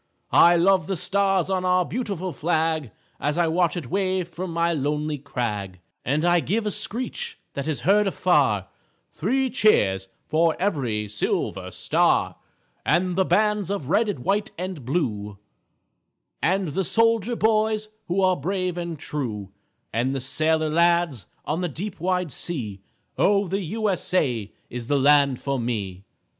I love the stars on our beautiful flag As I watch it wave from my lonely crag, And I give a screech that is heard afar, Three cheers for every silver star, And the bands of red and white and blue, And the soldier boys who are brave and true, And the sailor lads on the deep wide sea, Oh, the U. S. A. is the land for me!